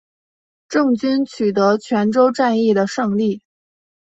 郑军取得泉州战役的胜利。